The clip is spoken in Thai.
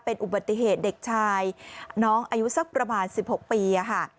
เป็นอุบัติเหตุเด็กชายน้องอายุสักประมาณ๑๖ปีค่ะ